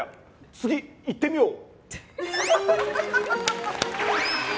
次、いってみよう！